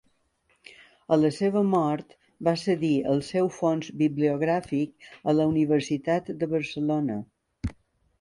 A la seva mort va cedir el seu fons bibliogràfic a la Universitat de Barcelona.